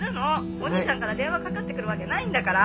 お兄ちゃんから電話かかってくるわけないんだから！